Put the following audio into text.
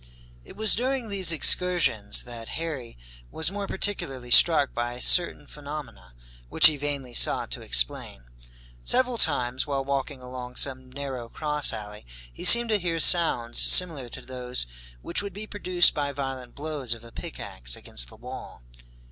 It was during these excursions that Harry was more particularly struck by certain phenomena, which he vainly sought to explain. Several times, while walking along some narrow cross alley, he seemed to hear sounds similar to those which would be produced by violent blows of a pickax against the wall.